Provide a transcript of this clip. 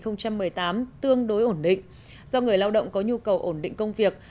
năm hai nghìn một mươi tám tương đối ổn định do người lao động có nhu cầu ổn định công việc